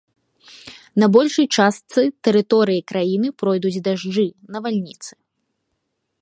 На большай частцы тэрыторыі краіны пройдуць дажджы, навальніцы.